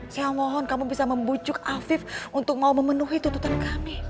saya mohon kamu bisa membujuk afif untuk mau memenuhi tuntutan kami